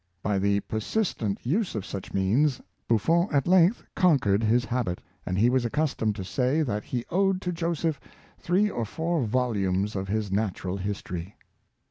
By the persis tent use of such means, Buffon at length conquered his habit; and he was accustomed to say, that he owed to Joseph three or four volumes of his Natural History.